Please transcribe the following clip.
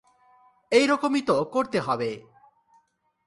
এই রকমই তো করতে হবে।